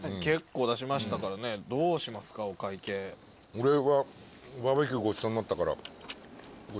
俺はバーベキューごちそうになったから。